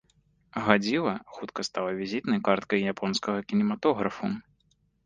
Гадзіла хутка стала візітнай карткай японскага кінематографу.